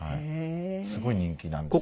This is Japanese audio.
すごい人気なんですよ